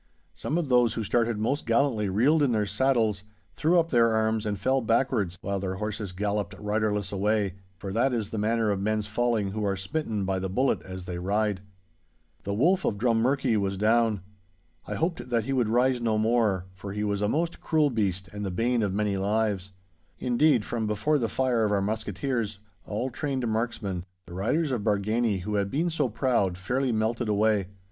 Some of those who started most gallantly reeled in their saddles, threw up their arms and fell backwards, while their horses galloped riderless away, for that is the manner of men's falling who are smitten by the bullet as they ride. The Wolf of Drummurchie was down. I hoped that he would rise no more, for he was a most cruel beast and the bane of many lives. Indeed, from before the fire of our musketeers, all trained marksmen, the riders of Bargany who had been so proud, fairly melted away.